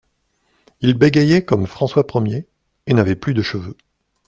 Il bégayait comme François Ier et n'avait plus de cheveux.